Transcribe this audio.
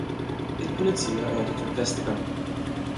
Il-pulizija qiegħda tinvestiga.